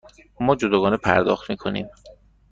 ما جداگانه پرداخت می کنیم.